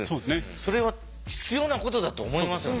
それは必要なことだと思いますよね。